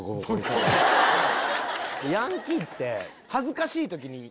ヤンキーって。